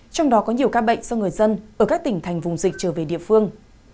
trong đó có nhiều ca bệnh do người dân ở các tỉnh thành vùng dịch trở về địa phương